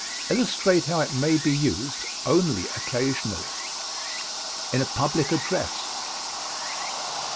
Illustrate how it may be used (ONLY occasionally) in a public address.